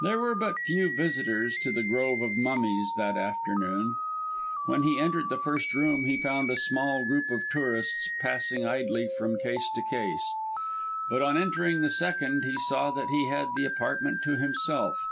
There were but few visitors to the grove of mummies that afternoon. When he entered the first room he found a small group of tourists passing idly from case to case; but on entering the second, he saw that he had the apartment to himself.